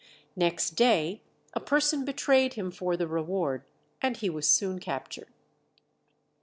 Next day a person betrayed him for the reward, and he was soon captured.